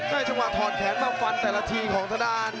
ในเฉพาะถอดแขนเบ้าฟันแต่ละทีของทะดาน